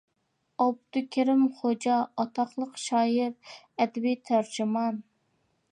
ئابدۇكېرىم خوجا: ئاتاقلىق شائىر، ئەدەبىي تەرجىمان.